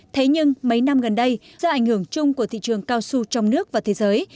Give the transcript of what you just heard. thế nhưng mấy năm gần đây do ảnh hưởng chung của thị trường cao su trong nước và thế giới